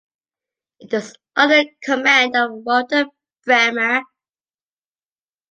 It was under the command of Walter Brehmer.